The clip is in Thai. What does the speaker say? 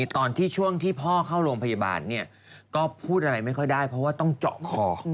ตอนที่ช่วงที่พ่อเข้าโรงพยาบาลก็พูดอะไรไม่ค่อยได้เพราะว่าต้องเจาะคอ